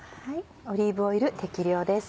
オリーブオイル適量です。